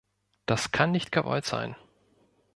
Das kann nicht gewollt sein.